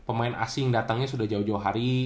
pemain asing datangnya sudah jauh jauh hari